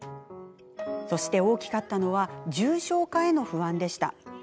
そして大きかったのは重症化への不安でした。